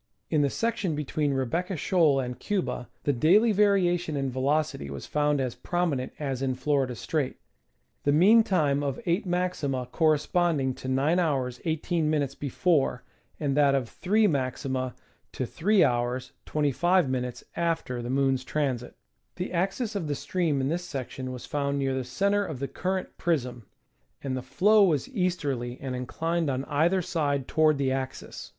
In the section between Rebecca Shoal and Cuba the daily vari ation in velocity was found as prominent as in Florida Strait, the mean time of eight maxima corresponding to G*" 18™ before, and that of three maxima to 3^ 25™ after the moon's transit. The axis of the stream in this section was found near the center of the current prism, and the flow was easterly and inclined on either side toward the axis.